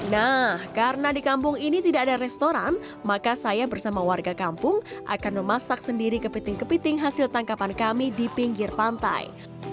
nah karena di kampung ini tidak ada restoran maka saya bersama warga kampung akan memasak sendiri kepiting kepiting hasil tangkapan kami di pinggir pantai